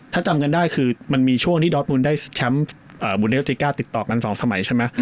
ถ้าจำกันได้คือมันมีช่วงที่ดอสมุนได้แชมป์บุเดสติก้าติดต่อกัน๒สมัยใช่ไหม